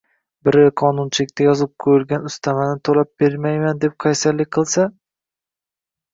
Biri qonunchilikda yozib qo‘yilgan ustamani to‘lab bermayman deb qaysarlik qilsa